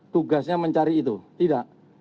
tugasnya mencari itu tidak